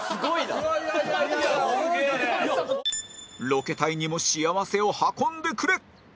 ロケ隊にも幸せを運んでくれ！